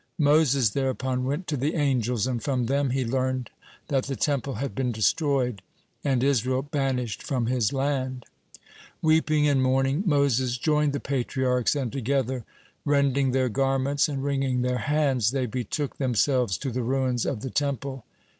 Moses thereupon went to the angels, and from them he learned that the Temple had been destroyed, and Israel banished from his land. Weeping and mourning, Moses joined the Patriarchs, and together, rending their garments and wringing their hands, they betook themselves to the ruins of the Temple.